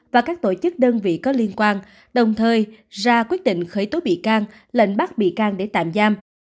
và các tổ chức đơn vị có liên quan đồng thời ra quyết định khởi tố bị can lệnh bắt bị can để tạm giam